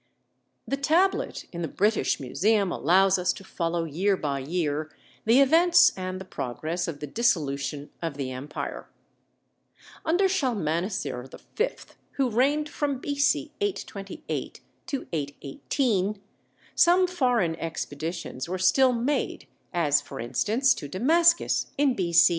The tablet in the British Museum allows us to follow year by year the events and the progress of the dissolution of the empire. Under Shalmaneser V, who reigned from B.C. 828 to 818, some foreign expeditions were still made, as, for instance, to Damascus in B.C.